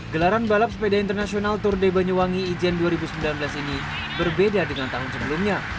gelaran balap sepeda internasional tour de banyuwangi ijen dua ribu sembilan belas ini berbeda dengan tahun sebelumnya